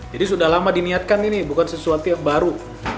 jadi sudah lama diniatkan ini bukan sesuatu yang baru